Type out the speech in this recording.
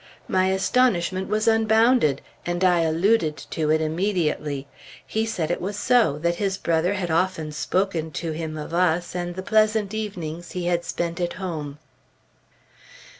My astonishment was unbounded, and I alluded to it immediately. He said it was so; that his brother had often spoken to him of us, and the pleasant evenings he had spent at home.